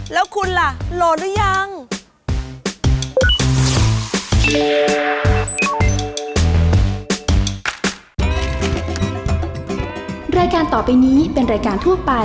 แล้วคุณล่ะโหลดหรือยัง